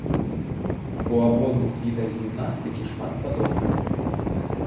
У абодвух відах гімнастыкі шмат падобнага.